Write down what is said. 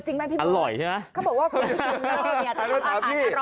เออจริงไหมพี่เบิร์กเค้าบอกว่าคนที่ทำเหล้าเนี่ยทำอาหารอร่อย